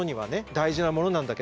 大事なものなんだけど。